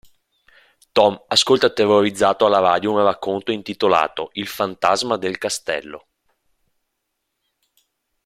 Tom ascolta terrorizzato alla radio un racconto intitolato "Il fantasma del castello".